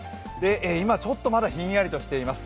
今、ちょっとまだひんやりとしています。